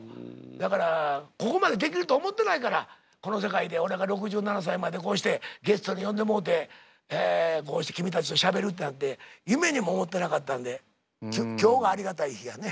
だからここまでできると思ってないからこの世界で俺が６７歳までこうしてゲストに呼んでもうてこうして君たちとしゃべるってなんて夢にも思ってなかったんで今日がありがたい日やね。